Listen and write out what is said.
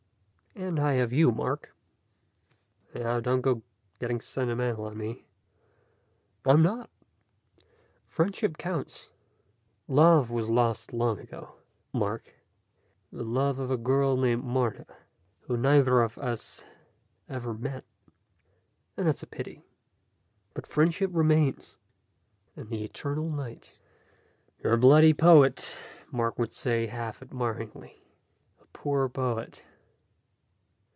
And I have you, Mark." "Now, don't go getting sentimental on me " "I'm not. Friendship counts. Love was lost long ago, Mark. The love of a girl named Martha, whom neither of us ever met. And that's a pity. But friendship remains, and the eternal night." "You're a bloody poet," Mark would say, half admiringly. "A poor poet."